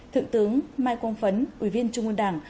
thượng tướng mai quang phấn ủy viên trung ương đảng